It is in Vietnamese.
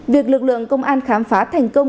việc lực lượng công an khám phá thành công